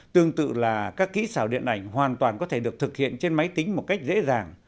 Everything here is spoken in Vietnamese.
tương tự là các kỹ xảo điện ảnh hoàn toàn có thể được thực hiện trên máy tính một cách dễ dàng